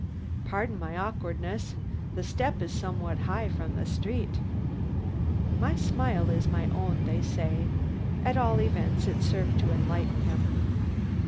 Pardon my awkwardness. The step is somewhat high from the street." My smile is my own, they say; at all events it served to enlighten him.